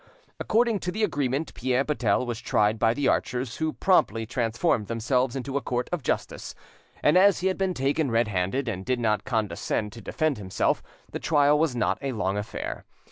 According to agreement, Pierre Buttel was tried by the archers, who promptly transformed themselves into a court of justice, and as he had been taken red handed, and did not condescend to defend himself, the trial was not a long affair.